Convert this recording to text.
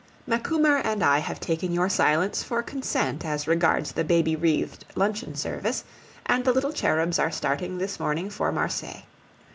Macumer and I have taken your silence for consent as regards the baby wreathed luncheon service, and the little cherubs are starting this morning for Marseilles.